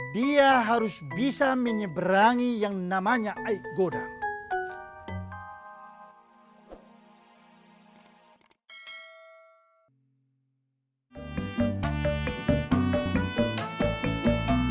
dia harus bisa menyeberangi yang namanya aik goda